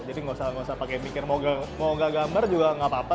jadi nggak usah pakai mikir mau nggak gambar juga nggak apa apa